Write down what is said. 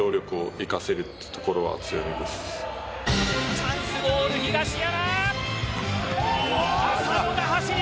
チャンスボール、東山。